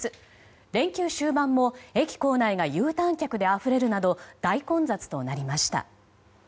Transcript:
連休終盤も駅構内がＵターン客であふれるなど大混雑となりました。